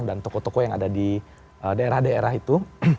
dan toko toko yang ada di daerah daerah itu